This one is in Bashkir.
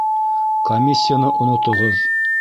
Комиссияны онотоғоҙ!